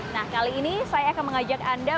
nah kali ini saya akan mengajak anda